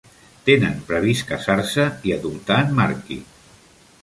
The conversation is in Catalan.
Tenen previst casar-se i adoptar en Marky.